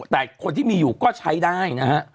แต่คนที่มีอยู่ก็ใช้ได้นะฮะ